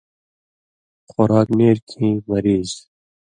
خوراک نېریۡ کھیں مریض